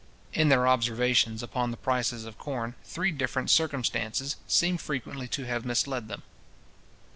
In their observations upon the prices of corn, three different circumstances seem frequently to have misled them.